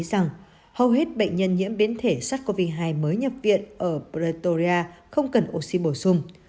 rằng hầu hết bệnh nhân nhiễm biến thể sars cov hai mới nhập viện ở pretoria không cần oxy bổ sung